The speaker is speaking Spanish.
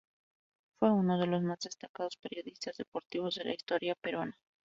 Fue uno de los más destacados periodistas deportivos de la historia peruana.